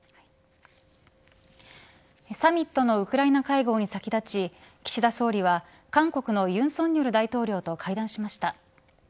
サミットのウクライナ会合に先立ち岸田総理は韓国の尹錫悦大統領と会談しました。